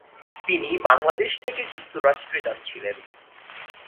তিনি বাংলাদেশ থেকে যুক্তরাষ্ট্রে যাচ্ছিলেন।